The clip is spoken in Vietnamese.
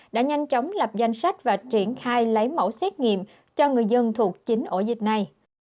đã nhanh chóng lập danh sách và triển khai lấy mẫu xét nghiệm cho người dân thuộc chính ổ dịch này